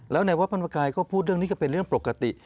แล้วแหวะวับคัมภาคายก็พูดเรื่องนี้ก็เป็นเรื่องปกติ